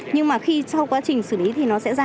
nhưng mà khi sau quá trình xử lý thì nó sẽ ra